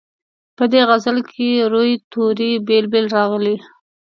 په دې غزل کې روي توري بېل بېل راغلي.